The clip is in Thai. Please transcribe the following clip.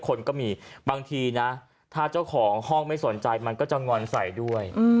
คนก็มีบางทีนะถ้าเจ้าของห้องไม่สนใจมันก็จะงอนใส่ด้วย